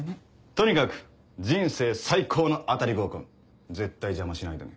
とにかく人生最高の当たり合コン絶対邪魔しないでね。